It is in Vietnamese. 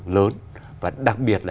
lớn và đặc biệt là